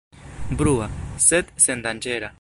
Brua, sed sendanĝera.